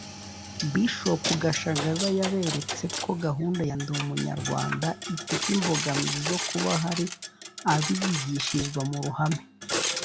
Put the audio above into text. Bishop Gashagaza yaberetse ko gahunda ya Ndi Umunyarwanda ifite imbogamizi zo kuba hari abiyigishirizwa mu ruhame